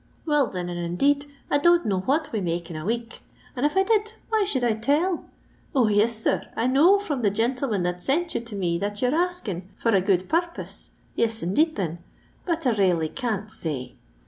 " Will, thin and indeed, I don't know what we make in a week, and if I did, why should I tell ? O, yes, sir, I know from the gentleman that sent yon to me that you 're asking for a good purpose : yifl, indeed, thin ; but I ralely can't say.